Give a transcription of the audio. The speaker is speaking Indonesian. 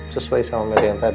sesuai sama media yang tadi